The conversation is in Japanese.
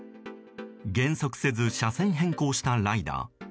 減速せず車線変更したライダー。